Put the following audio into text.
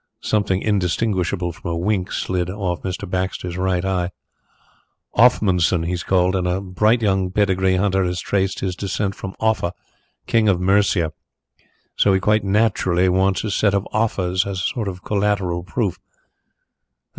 Something indistinguishable from a wink slid off Mr. Baxter's right eye. "Offmunson he's called, and a bright young pedigree hunter has traced his descent from Offa, King of Mercia. So he quite naturally wants a set of Offas as a sort of collateral proof."